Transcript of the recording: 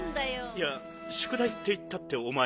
いやしゅくだいっていったっておまえ。